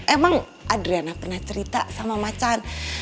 emang adriana pernah cerita sama ma can